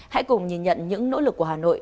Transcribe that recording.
hãy cùng nhìn nhận những nỗ lực của hà nội